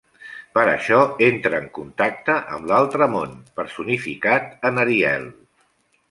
Per això entra en contacte amb l'altre món, personificat en Ariel.